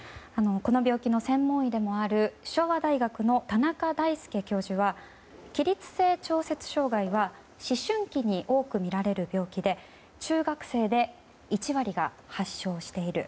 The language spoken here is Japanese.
この病気の専門医でもある昭和大学の田中大介教授は起立性調節障害は思春期に多く見られる病気で中学生で１割が発症している。